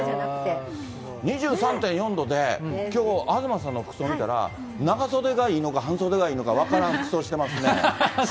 ２３．４度で、きょう、東さんの服装見たら、長袖がいいのか、半袖がいいのか分からん服装してますね。